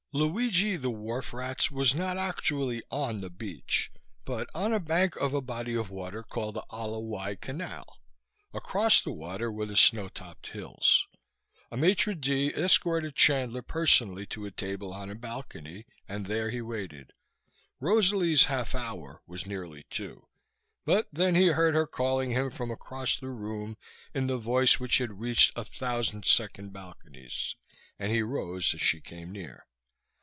Luigi the Wharf Rat's was not actually on the beach but on the bank of a body of water called the Ala Wai Canal. Across the water were the snowtopped hills. A maitre de escorted Chandler personally to a table on a balcony, and there he waited. Rosalie's "half hour" was nearly two; but then he heard her calling him from across the room, in the voice which had reached a thousand second balconies, and he rose as she came near.